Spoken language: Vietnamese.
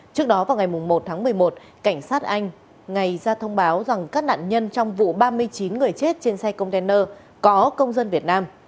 trước đó vào ngày một tháng một mươi một cảnh sát anh ngày ra thông báo rằng các nạn nhân trong vụ ba mươi chín người chết trên xe container có công dân việt nam